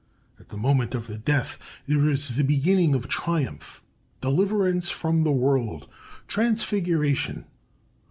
At the moment of death there is the beginning of triumph "deliverance from the world, transfiguration...."